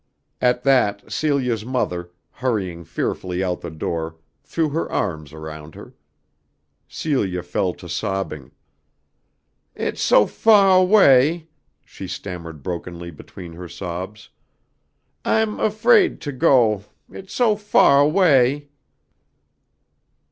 At that Celia's mother, hurrying fearfully out the door, threw her arms around her. Celia fell to sobbing. "It's so fah away," she stammered brokenly, between her sobs. "I'm afraid ... to ... go.... It's so fah ... away!"